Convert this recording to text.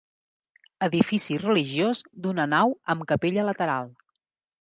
Edifici religiós d'una nau amb capella lateral.